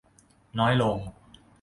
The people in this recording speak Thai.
น้อยลง